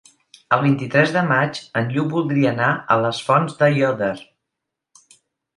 El vint-i-tres de maig en Lluc voldria anar a les Fonts d'Aiòder.